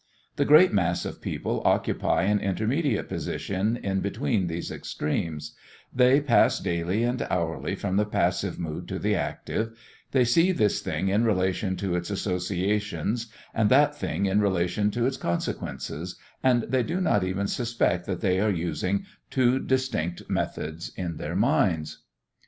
The great mass of people occupy an intermediate position between these extremes, they pass daily and hourly from the passive mood to the active, they see this thing in relation to its associations and that thing in relation to its consequences, and they do not even suspect that they are using two distinct methods in their minds.